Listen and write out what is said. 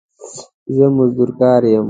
زه مزدور کار يم